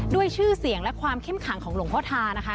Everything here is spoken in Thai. ด้วยชื่อเสียงและความเข้มขังของหลวงพ่อทานะคะ